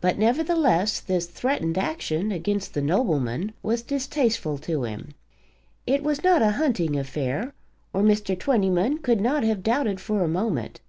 But, nevertheless, this threatened action against the nobleman was distasteful to him. It was not a hunting affair, or Mr. Twentyman could not have doubted for a moment.